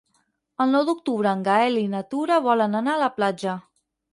El nou d'octubre en Gaël i na Tura volen anar a la platja.